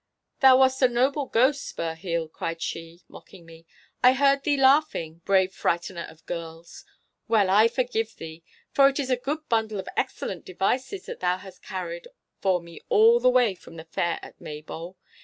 'Thou wast a noble ghost, Spurheel,' she cried, mocking me. 'I heard thee laughing, brave frightener of girls! Well, I forgive thee, for it is a good bundle of excellent devices that thou hast carried for me all the way from the fair at Maybole.